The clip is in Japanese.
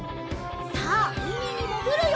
さあうみにもぐるよ！